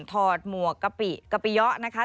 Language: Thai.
ถอดหมวกกะปิกะปิยานะคะ